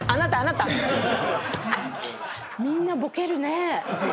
みんなボケるね。